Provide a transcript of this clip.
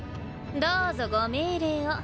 どうぞご命令を。